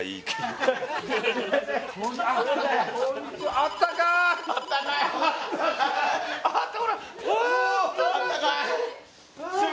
ああったかい！